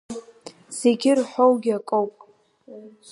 Зегьы ирҳәогьы акоуп.